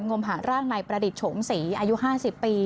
มหาร่างนายประดิษฐ์โฉมศรีอายุ๕๐ปี